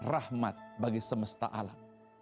rahmat bagi semesta alam